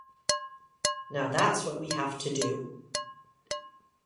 Now that's what we have to do.